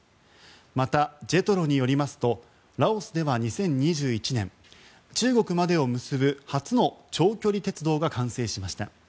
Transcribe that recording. また、ＪＥＴＲＯによりますとラオスでは２０２１年中国までを結ぶ初の長距離鉄道が完成しました。